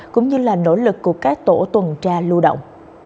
cũng như là nỗ lực của các tổ tuần tra lưu động